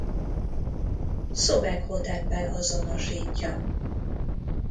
Szobekhoteppel azonosítja.